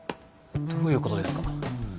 どういうことですか？